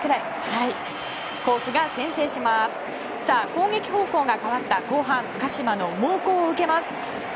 攻撃方向が変わった後半鹿島の猛攻を受けます。